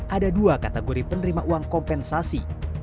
ada dua kategori penerima uang kompensasi